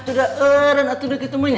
itu sudah keren itu sudah ketemu ya